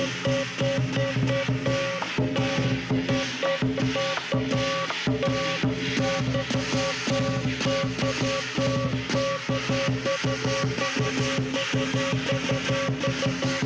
ส่วนช่วงนี้เรามีโชว์มาฝากกับการเชิดสิวนั่นเองครับ